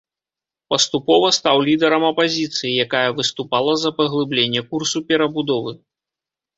Паступова стаў лідарам апазіцыі, якая выступала за паглыбленне курсу перабудовы.